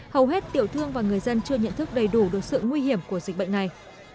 hầu hết tiểu thương và người dân chưa nhận thức đầy đủ được sự nguy hiểm của dịch bệnh này